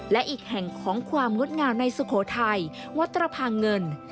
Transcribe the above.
และอีกแห่งของความงดงามในสุโขทัยวัดตรภาเงิน